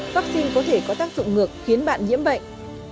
vaccine có thể có tác dụng ngược khiến bạn nhiễm bệnh